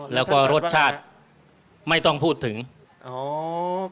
แล้วก็รสชาติไม่ต้องพูดถึงครับสวัสดีครับว่าอะไรนะ